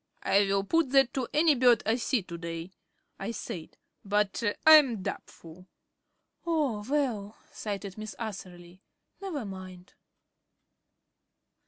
"I will put that to any bird I see to day," I said, "but I am doubtful." "Oh, well," sighed Miss Atherley, "never mind."